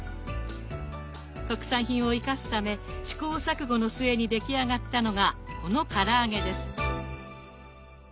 特産品を生かすため試行錯誤の末に出来上がったのがこのから揚げです。